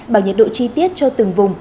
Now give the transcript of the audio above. bằng nhiệt độ chi tiết cho từng vùng